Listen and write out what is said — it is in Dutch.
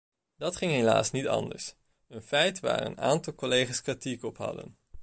Dat ging helaas niet anders, een feit waar een aantal collega's kritiek op had.